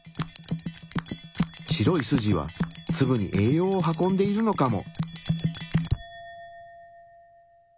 白い筋はツブに栄養を運んでいるのかも。